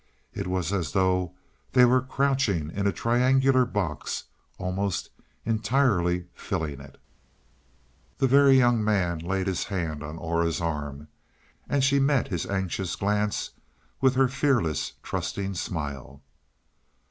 It was as though they were crouching in a triangular box, almost entirely filling it. The Very Young Man laid his hand on Aura's arm, and she met his anxious glance with her fearless, trusting smile.